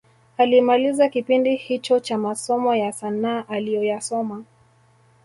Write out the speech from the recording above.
Alimaliza kipindi hicho cha masomo ya sanaa aliyoyasoma